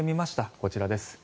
こちらです。